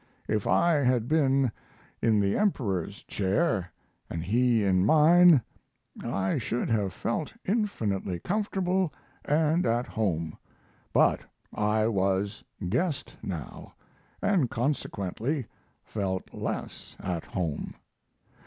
If I had been in the Emperor's chair and he in mine I should have felt infinitely comfortable and at home, but I was guest now, and consequently felt less at home.